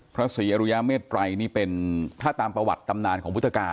พระศรีอรุยาเมตรัยนี่เป็นถ้าตามประวัติตำนานของพุทธกา